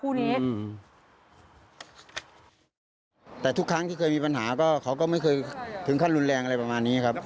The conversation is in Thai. อืมแต่ทุกครั้งที่เคยมีปัญหาก็เขาก็ไม่เคยถึงขั้นรุนแรงอะไรประมาณนี้ครับ